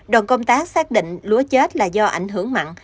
đoàn công tác xác định lúa chết là do ảnh hưởng mặn